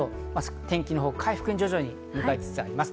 天気のほう徐々に回復に向かいつつあります。